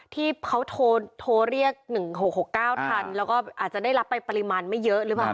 ที่เขาโทรเรียก๑๖๖๙ทันแล้วก็อาจจะได้รับไปปริมาณไม่เยอะหรือเปล่า